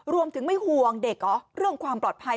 รวมถึงไม่ห่วงเด็กเหรอเรื่องความปลอดภัย